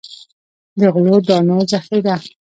د غلو دانو ذخیره.